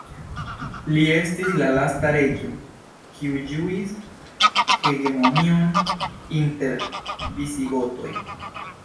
Li estis la lasta reĝo kiu ĝuis hegemonion inter visigotoj.